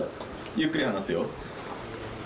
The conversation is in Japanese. ゆっくり離すよ。